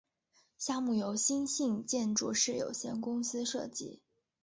项目由兴业建筑师有限公司设计。